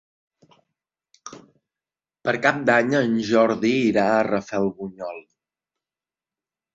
Per Cap d'Any en Jordi irà a Rafelbunyol.